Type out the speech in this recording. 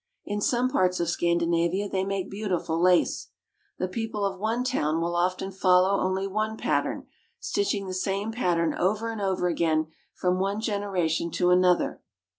In some parts of Scandi navia they make beautiful lace. The people of one town will often follow only one pattern, stitching the same pattern over and over again from one generation to an other.